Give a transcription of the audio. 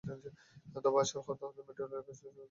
তবে আশার কথা হলো মেট্রোরেলের কাজ শেষ হলে যানজট কমে যাবে।